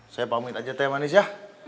saya pamit aja teh manis ya